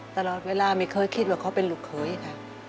ตลอดเวลาไม่เคยคิดว่าเขาเป็นลูกเขยค่ะ